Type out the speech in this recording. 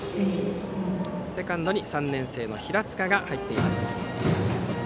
セカンドに３年生の平塚が入っています。